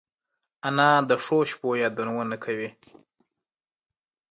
انا د ښو شپو یادونه کوي